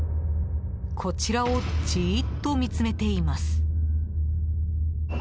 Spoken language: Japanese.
こっちをじーっと見つめています。